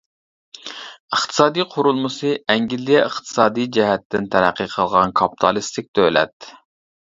ئىقتىسادىي قۇرۇلمىسى ئەنگلىيە ئىقتىسادىي جەھەتتىن تەرەققىي قىلغان كاپىتالىستىك دۆلەت.